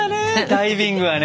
ダイビングはね。